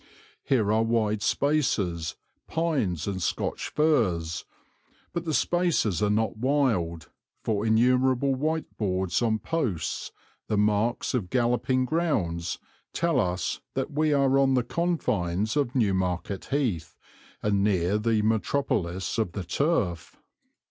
Here are wide spaces, pines and Scotch firs; but the spaces are not wild, for innumerable white boards on posts, the marks of galloping grounds, tell us that we are on the confines of Newmarket Heath and near the metropolis of the turf.